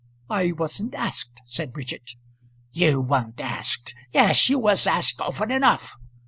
"I wasn't asked," said Bridget. "You weren't asked! Yes, you was asked often enough."